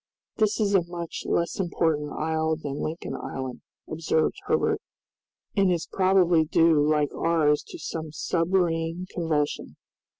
"This is a much less important isle than Lincoln Island," observed Herbert, "and is probably due like ours to some submarine convulsion."